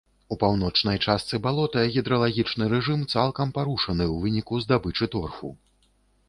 У паўночнай частцы балота гідралагічны рэжым цалкам парушаны ў выніку здабычы торфу.